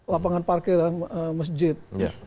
lapangan parkir masjid